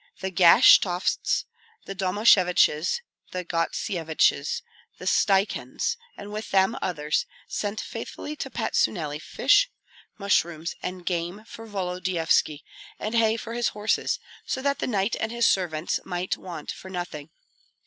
The Gashtovts, the Domasheviches, the Gostsyeviches, the Stakyans, and with them others, sent faithfully to Patsuneli fish, mushrooms, and game for Volodyovski, and hay for his horses, so that the knight and his servants might want for nothing.